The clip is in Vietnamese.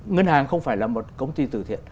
ngân hàng không phải là một công ty tử thiện